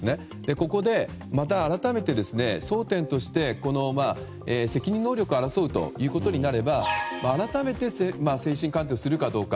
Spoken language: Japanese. ここでまた改めて争点として責任能力を争うことになれば改めて精神鑑定をするかどうか。